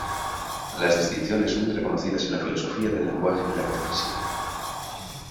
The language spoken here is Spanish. Las distinciones son muy reconocidas en la filosofía del lenguaje y la metafísica.